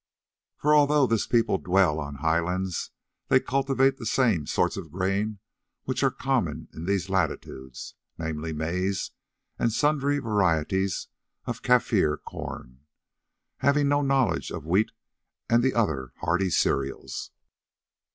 For although this people dwell on high lands they cultivate the same sorts of grain which are common in these latitudes, namely maize and sundry varieties of Kaffir corn, having no knowledge of wheat and the other hardy cereals.